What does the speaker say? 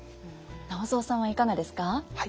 直三さんはいかがですか？